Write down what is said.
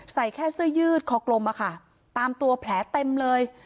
ใส่แค่เสื้อยืดคอกลมอะค่ะตามตัวแผลเต็มเลย